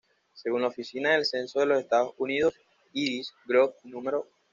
Según la Oficina del Censo de los Estados Unidos, Irish Grove No.